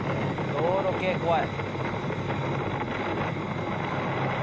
道路系、怖い。